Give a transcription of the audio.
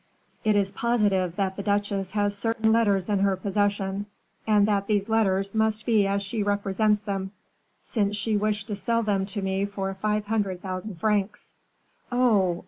It is positive that the duchesse has certain letters in her possession, and that these letters must be as she represents them, since she wished to sell them to me for five hundred thousand francs." "Oh!